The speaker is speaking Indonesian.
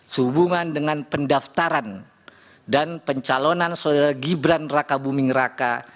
sehubungan dengan pendaftaran dan pencalonan saudara gibran raka buming raka